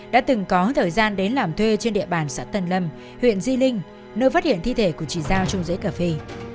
đã từng có thời gian đến làm thuê trên địa bàn xã tân lâm huyện di linh nơi phát hiện thi thể của chị giao trung dễ cà phê